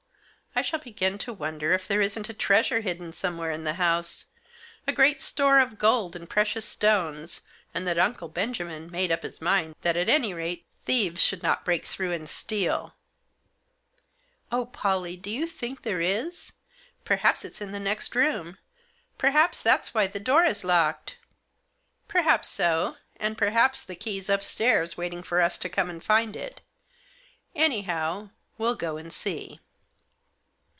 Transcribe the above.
I shall begin to wonder if there isn't a treasure hidden somewhere in the house ; a great store of gold and precious stones, and that Uncle Benjamin made up his mind that at any rate thieves should not break through and steal." Digitized by 62 THK JOSS. " Oh, Pollie, do you think there is ? Perhaps it's in the next room — perhaps that's why the door is locked." " Perhaps so ; and perhaps the key's upstairs, waiting for us to come and find it. Anyhow we'll go and see."